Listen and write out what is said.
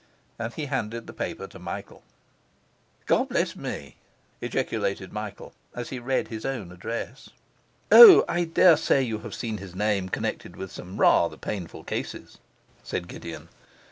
And he handed the paper to Michael. 'God bless me!' ejaculated Michael, as he read his own address. 'O, I daresay you have seen his name connected with some rather painful cases,' said Gideon.